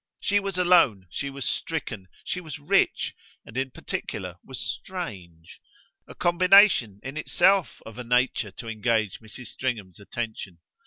She was alone, she was stricken, she was rich, and in particular was strange a combination in itself of a nature to engage Mrs. Stringham's attention.